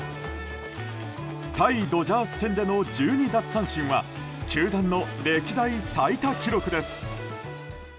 対ドジャース戦での１２奪三振は球団の歴代最多記録です。